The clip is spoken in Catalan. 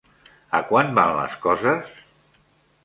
A quant van les coses?